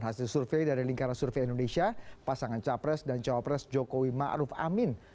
hasil survei dari lingkaran survei indonesia pasangan capres dan cawapres jokowi ma'ruf amin